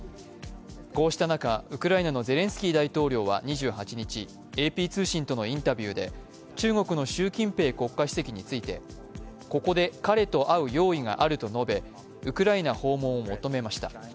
こうした中、ウクライナのゼレンスキー大統領は２８日、ＡＰ通信とのインタビューで、中国の習近平国家主席についてここで彼と会う用意があると述べウクライナ訪問を述べました